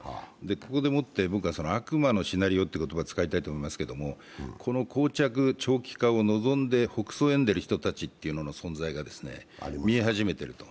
ここでもって悪魔のシナリオという言葉を使いたいと思いますけどこのこう着、長期化を臨んでほくそえんでいる人たちの姿が見え始めていると。